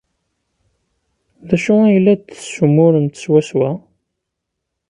D acu ay la d-tessumuremt swaswa?